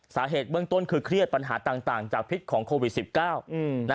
สาเหตุเบื้องต้นคือเครียดปัญหาต่างจากพิษของโควิด๑๙